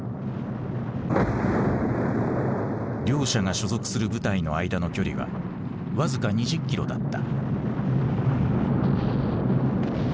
両者が所属する部隊の間の距離は僅か２０キロだった。